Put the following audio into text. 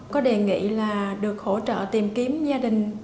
có đề nghị là được hỗ trợ tìm kiếm gia đình